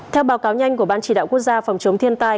theo báo cáo nhanh của ban chỉ đạo quốc gia phòng chống thiên tai